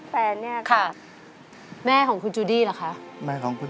สวัสดีครับ